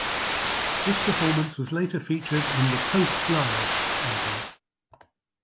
This performance was later featured on the "Post Live" album.